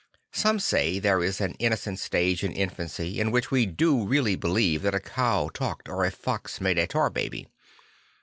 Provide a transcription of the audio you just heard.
Some say there is an innocent stage of infancy in which we do really believe that a cow talked or a fox made a tar baby.